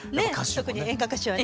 特に演歌歌手はね